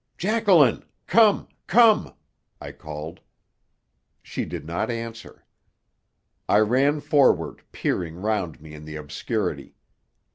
"Jacqueline! Come, come!" I called. She did not answer. I ran forward, peering round me in the obscurity.